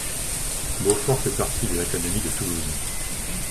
Beaufort fait partie de l'académie de Toulouse.